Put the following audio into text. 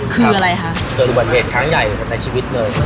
คืออะไรคะเกิดอุบัติเหตุครั้งใหญ่ในชีวิตเลย